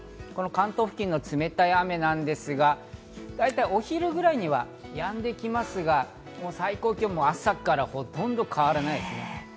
関東付近の冷たい雨ですが、お昼ぐらいにはやんできますが、最高気温、朝からほとんど変わらないです。